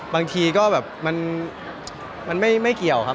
บางทีก็แบบมันไม่เกี่ยวครับ